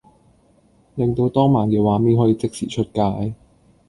令到當晚嘅畫面可以即時出街